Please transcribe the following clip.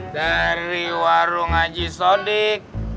dari warung haji sodik